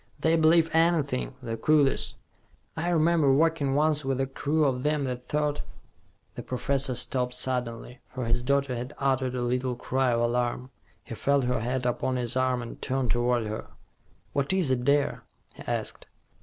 They believe anything, the coolies. I remember working once with a crew of them that thought " The professor stopped suddenly, for his daughter had uttered a little cry of alarm. He felt her hand upon his arm, and turned toward her. "What is it, dear?" he asked.